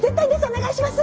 お願いします！